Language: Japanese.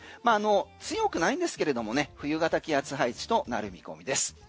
強くないんですけれども冬型気圧配置となる見込みです。